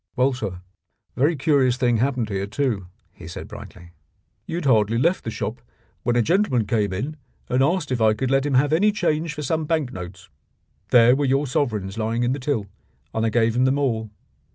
"Well, sir, a very curious thing happened here too," he said brightly. "You had hardly left the shop when a gentleman came in and asked if I could let him have any change for some bank notes. There were your sovereigns lying in the till, and I gave him them all.